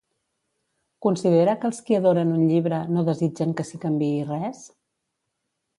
Considera que els qui adoren un llibre, no desitgen que s'hi canviï res?